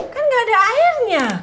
kan gak ada airnya